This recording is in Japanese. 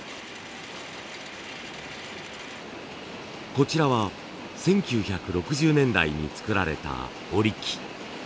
こちらは１９６０年代に作られた織機。